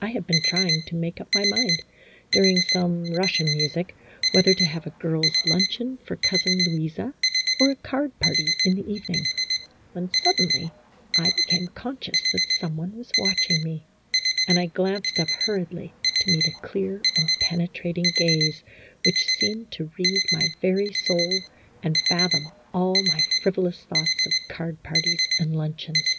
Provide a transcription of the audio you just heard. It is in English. I had been trying to make up my mind, during some Russian music, whether to have a girls' lunch eon for Cousin Louisa, or a card party in the even ing, when suddenly I became conscious that some one was watching me, and I glanced up hurriedly to meet a clear and penetrating gaze which seemed to read my very soul and fathom all my frivolous thoughts of card parties and luncheons.